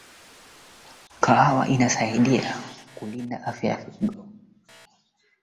Uchumi wa Roma ya Kale ulitegemea watumwa waliokamatwa na kusafirishwa